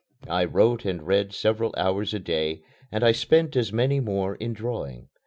I wrote and read several hours a day and I spent as many more in drawing.